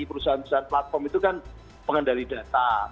perusahaan perusahaan platform itu kan pengendali data